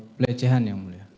plecehan yang mulia